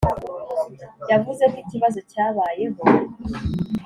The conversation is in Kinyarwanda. yavuze ko ikibazo cyabayeho